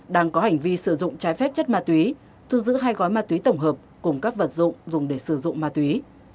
đang có hành vi sử dụng trái phép chất ma túy thu giữ hai gói ma túy tổng hợp cùng các vật dụng dùng để sử dụng ma túy